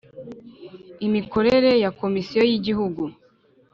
imikorere ya Komisiyo y Igihugu